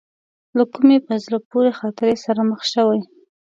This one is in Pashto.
له کومې په زړه پورې خاطرې سره مخ شوې.